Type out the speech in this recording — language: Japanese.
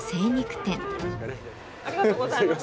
ありがとうございます。